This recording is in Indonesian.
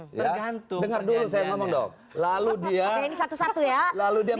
pernah juga menggulung patient